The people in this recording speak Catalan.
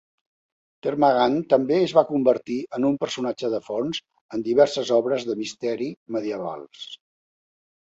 Termagant també es va convertir en un personatge de fons en diverses obres de misteri medievals.